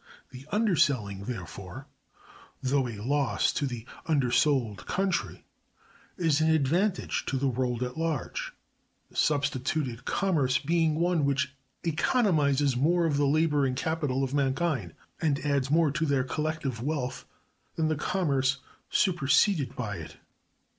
The underselling, therefore, though a loss to the undersold country, is an advantage to the world at large; the substituted commerce being one which economizes more of the labor and capital of mankind, and adds more to their collective wealth, than the commerce superseded by it.